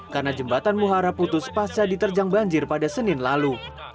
karena jembatan muhara putus pasca diterjang banjir pada senin lalu